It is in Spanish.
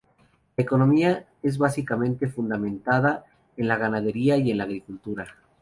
La economía es básicamente fundamentada en la ganadería y en la agricultura.